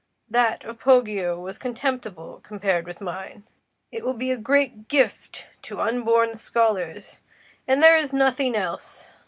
That of Poggio was contemptible compared with mine. It will be a great gift to unborn scholars. And there is nothing else.